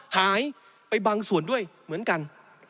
หายไปบางส่วนด้วยเหมือนกัน